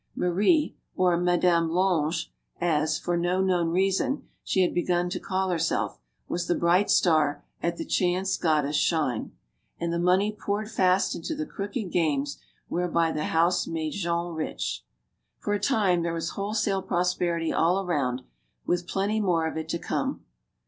Marie or Madame Lange, as, for no known reason, she had begun to call herself was the bright star at the Chance Goddess* shine. And the money poured fast into the crooked games whereby the house made Jean rich. For a time there was wholesale prosperity all around, with plenty more of it to come.